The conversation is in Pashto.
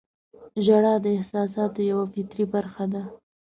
• ژړا د احساساتو یوه فطري برخه ده.